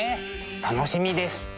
楽しみです。